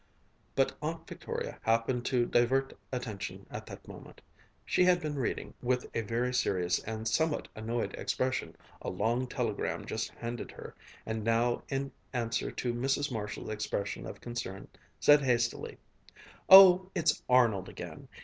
But Aunt Victoria happened to divert attention at that moment. She had been reading, with a very serious and somewhat annoyed expression, a long telegram just handed her, and now in answer to Mrs. Marshall's expression of concern, said hastily, "Oh, it's Arnold again....